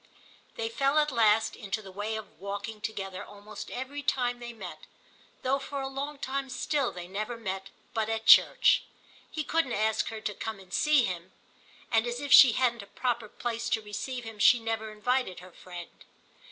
They fell at last into the way of walking together almost every time they met, though for a long time still they never met but at church. He couldn't ask her to come and see him, and as if she hadn't a proper place to receive him she never invited her friend.